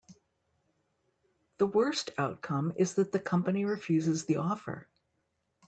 The worst outcome is that the company refuses the offer.